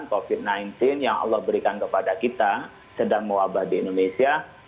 covid sembilan belas yang allah berikan kepada kita sedang mewabah di indonesia